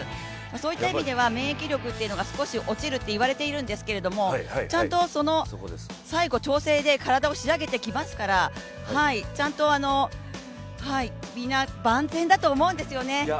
そういった意味では免疫力っていうのは少し落ちるといわれているんですけどちゃんと最後調整で体を仕上げてきますから、ちゃんと皆、万全だと思うんですよね。